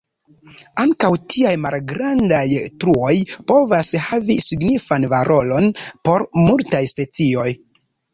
Ankaŭ tiaj malgrandaj truoj povas havi signifan valoron por multaj specioj.